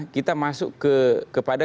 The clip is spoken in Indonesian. kita masuk ke kepada